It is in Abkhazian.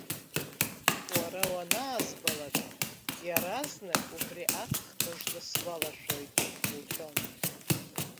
Уара уанаазбалак, иаразнак убри аҵх мыжда сгәалашәоит, лҳәон.